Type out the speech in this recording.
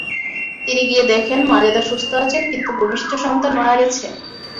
তিনি গিয়ে দেখেন মাজেদা সুস্থ আছেন কিন্তু ভূমিষ্ঠ সন্তান মারা গেছে।